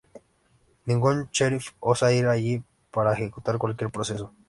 Ningún sheriff osa ir allí para ejecutar cualquier proceso.